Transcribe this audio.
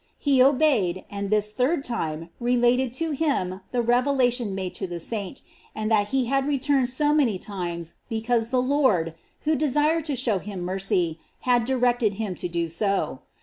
He obeyed, and this third time related to him the revelation made to the saint, and that he had returned so many times because the Lord, who desired to show him mercy, had directed him to do so.